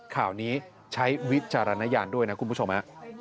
ข่าวนี้ใช้วิจารณญาณด้วยนะคุณผู้ชมฮะ